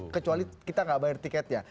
kecuali kita nggak bayar tiketnya